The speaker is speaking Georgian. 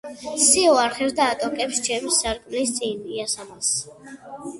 სიო არხევს და ატოკებს ჩემს სარკმლის წინ იასამანს.